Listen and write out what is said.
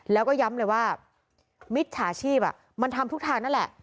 แล้วก็ย้ำเลยว่ามิจฉาชีพมันทำทุกทางนั่นแหละ